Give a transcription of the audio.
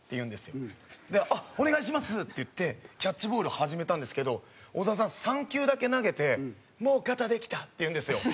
で「お願いします！」って言ってキャッチボール始めたんですけど小沢さん３球だけ投げて「もう肩できた！」って言うんですよ。